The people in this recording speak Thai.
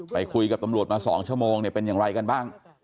ไปคุยกับตำรวจมา๒ชั่วโมงเนี่ยเป็นอย่างไรกันบ้าง